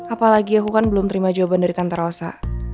apalagi aku kan belum terima jawaban dari tantar rosa